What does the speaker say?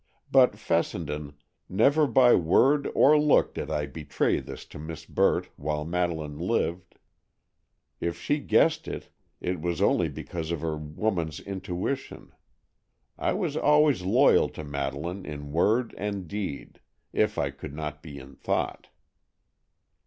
But, Fessenden, never by word or look did I betray this to Miss Burt while Madeleine lived. If she guessed it, it was only because of her woman's intuition. I was always loyal to Madeleine in word and deed, if I could not be in thought."